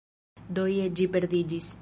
Do ie ĝi perdiĝis.